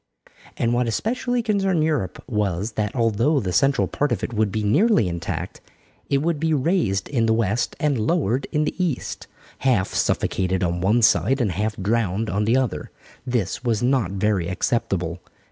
And what especially concerned Europe was, that although the central part of it would be nearly intact, it would be raised in the west and lowered in the east, half suffocated on one side and half drowned on the other. This was not very acceptable.